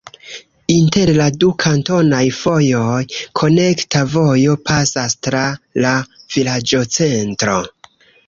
Inter la du kantonaj fojoj konekta vojo pasas tra la vilaĝocentro.